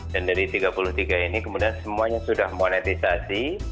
dan dari tiga puluh tiga ini kemudian semuanya sudah monetisasi